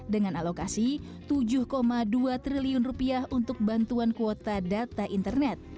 dengan alokasi tujuh dua triliun untuk bantuan kuota data internet